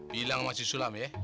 bilang sama si sulam ya